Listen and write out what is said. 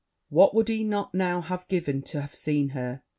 What would he not now have given to have seen her!